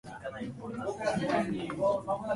It was intersected by the road from Hereford to Ross.